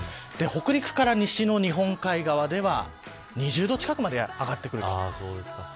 北陸から西の日本海側では２０度近くまで上がってきます。